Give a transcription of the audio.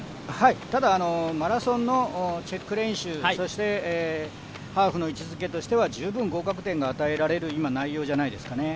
ただ、マラソンのチェック練習、そしてハーフの位置づけとしては十分合格点が与えられる今、内容じゃないですかね。